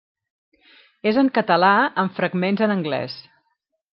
És en català amb fragments en anglès.